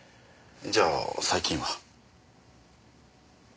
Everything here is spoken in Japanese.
じゃあ最近は？